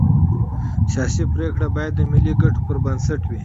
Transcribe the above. سیاسي پرېکړې باید د ملي ګټو پر بنسټ وي